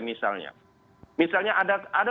misalnya misalnya ada